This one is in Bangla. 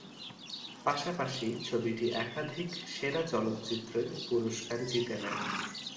পাশাপাশি ছবিটি একাধিক সেরা চলচ্চিত্রের পুরস্কার জিতে নেয়।